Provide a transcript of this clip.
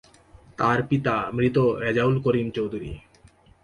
তার পিতা মৃত রেজাউল করিম চৌধুরী।